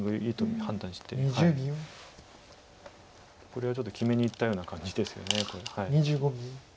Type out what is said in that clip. これはちょっと決めにいったような感じですよね。